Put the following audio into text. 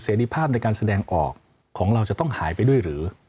ภาพในการแสดงออกของเราจะต้องหายไปด้วยหรือ